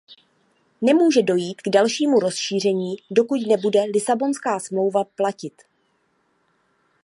Nemůže dojít k dalšímu rozšíření, dokud nebude Lisabonská smlouva platit.